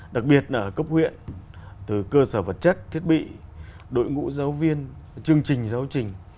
đặc biệt là ở cấp huyện từ cơ sở vật chất thiết bị đội ngũ giáo viên chương trình giáo trình